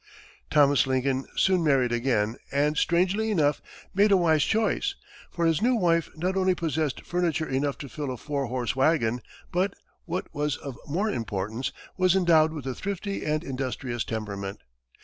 Thomas Lincoln soon married again and, strangely enough, made a wise choice, for his new wife not only possessed furniture enough to fill a four horse wagon, but, what was of more importance, was endowed with a thrifty and industrious temperament.